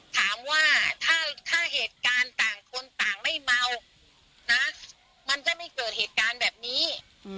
ถามว่าถ้าเหตุการณ์ต่างคนต่างไม่เมานะมันจะไม่เกิดเหตุการณ์แบบนี้